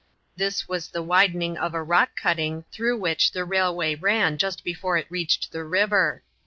This was the widening of a rock cutting through which the railway ran just before it, reached the river.